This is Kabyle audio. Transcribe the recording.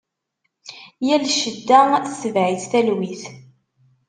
Yal cedda tetbeɛ-itt talwit.